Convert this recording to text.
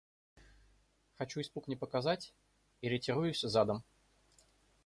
Хочу испуг не показать — и ретируюсь задом.